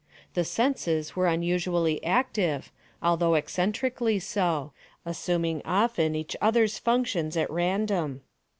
The senses were unusually active, although eccentrically so—assuming often each other's functions at random.